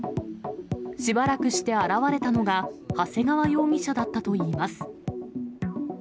しばらくして現れたのが、長谷川容疑者だったといいます。